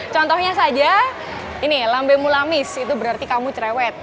contohnya saja ini lambemulamis itu berarti kamu cerewet